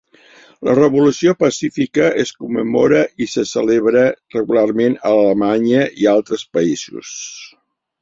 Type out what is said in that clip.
La revolució pacífica es commemora i se celebra regularment a Alemanya i altres països.